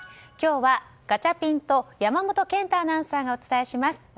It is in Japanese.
今日はガチャピンと山本賢太アナウンサーがお伝えします。